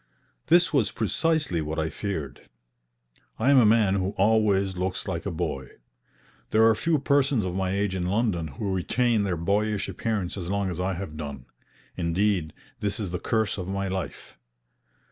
This was precisely what I feared. I am a man who always looks like a boy. There are few persons of my age in London who retain their boyish appearance as long as I have done; indeed, this is the curse of my life.